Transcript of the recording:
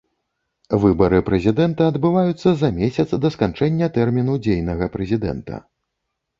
Выбары прэзідэнта адбываюцца за месяц да сканчэння тэрміну дзейнага прэзідэнта.